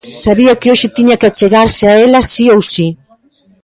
Sabía que hoxe tiña que achegarse a ela si ou si.